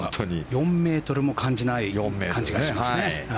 ４ｍも感じない感じがしますね。